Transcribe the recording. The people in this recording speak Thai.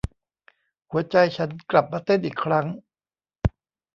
หัวใจฉันกลับมาเต้นอีกครั้ง